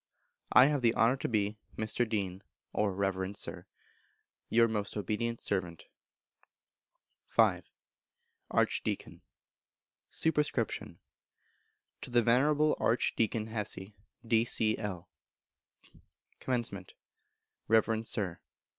_ I have the honour to be, Mr. Dean (or Reverend Sir), Your most obedient servant. v. Archdeacon. Sup. To the Venerable Archdeacon Hessey, D.C.L. Comm. Reverend Sir.